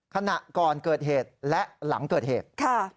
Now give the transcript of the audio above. ขณะก่อนเกิดเหตุและหลังเกิดเหตุ